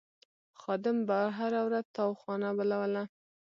خادم به هره ورځ تاوخانه بلوله.